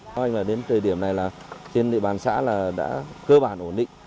nói anh là đến thời điểm này là trên địa bàn xã là đã cơ bản ổn định